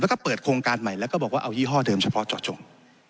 แล้วก็เปิดโครงการใหม่แล้วก็บอกว่าเอายี่ห้อเดิมเฉพาะเจาะจง